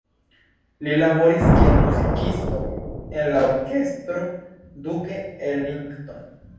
Li laboris kiel muzikisto en la Orkestro Duke Ellington.